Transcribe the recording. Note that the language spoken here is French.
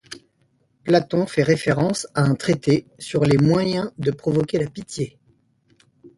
Platon fait référence à un traité sur les moyens de provoquer la pitié.